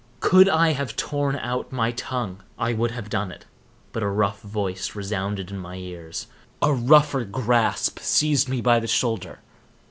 Could I have torn out my tongue, I would have done it, but a rough voice resounded in my ears—a rougher grasp seized me by the shoulder.